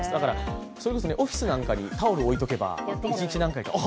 オフィスなんかにタオルを置いておけば、一日何回か。